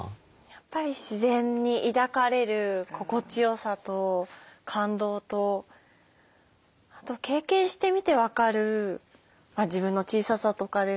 やっぱり自然に抱かれる心地よさと感動とあと経験してみて分かる自分の小ささとかですかね。